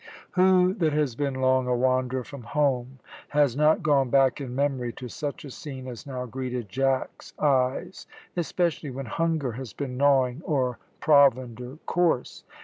Who that has been long a wanderer from home has not gone back in memory to such a scene as now greeted Jack's eyes, especially when hunger has been gnawing or provender coarse?